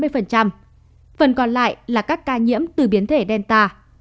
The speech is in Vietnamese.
phần còn lại là các ca nhiễm từ biến thể delta